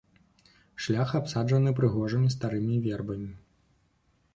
Шлях абсаджаны прыгожымі старымі вербамі.